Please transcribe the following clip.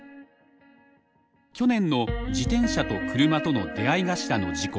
去年の自転車と車との出会い頭の事故。